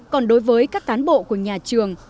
còn đối với các cán bộ của nhà trường